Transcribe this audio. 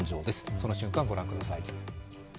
その瞬間、ご覧ください。